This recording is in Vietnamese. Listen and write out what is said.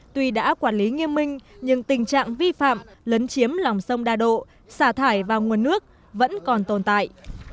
tuy đã quản lý nghiêm minh nhưng tình trạng vi phạm lấn chiếm lòng sông đa độ xả thải vào nguồn nước vẫn còn tồn tại